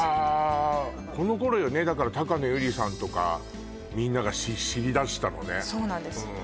あこのころよねだからたかの友梨さんとかみんなが知りだしたのねそうなんです